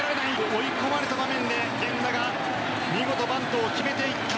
追い込まれた場面で源田が見事、バントを決めていった。